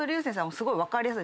すごい分かりやすい。